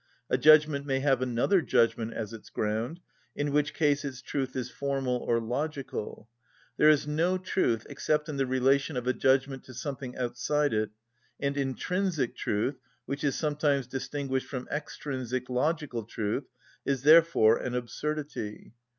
A judgment may have another judgment as its ground, in which case its truth is formal or logical. There is no truth except in the relation of a judgment to something outside it, and intrinsic truth, which is sometimes distinguished from extrinsic logical truth, is therefore an absurdity.